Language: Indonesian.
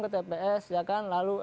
ke tps ya kan lalu